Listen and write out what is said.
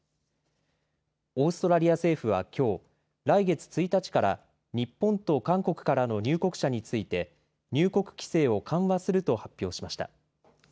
オーストラリア政府はきょう、来月１日から日本と韓国からの入国者について入国規制を緩和すると発表しました。